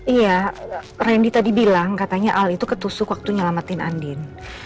iya randy tadi bilang katanya al itu ketusuk waktu nyelamatin andin